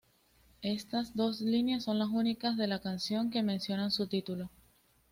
Estas dos líneas son las únicas de la canción que mencionan su título.